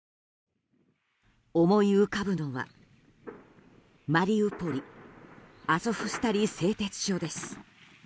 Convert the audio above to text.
思い浮かぶのはマリウポリアゾフスタリ製鉄所です。